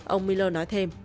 ông miller nói thêm